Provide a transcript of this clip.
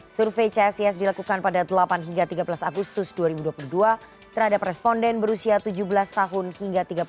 survei csis dilakukan pada delapan hingga tiga belas agustus dua ribu dua puluh dua terhadap responden berusia tujuh belas tahun hingga tiga puluh tahun